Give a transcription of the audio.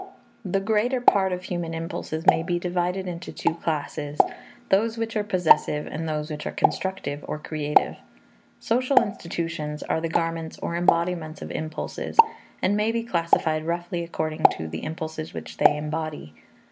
The greater part of human impulses may be divided into two classes, those which are possessive and those which are constructive or creative. Social institutions are the garments or embodiments of impulses, and may be classified roughly according to the impulses which they embody.